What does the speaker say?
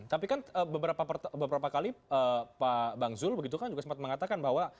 tapi kan beberapa kali pak bang zul begitu kan juga sempat mengatakan bahwa